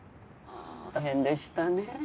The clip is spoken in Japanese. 大変でしたね。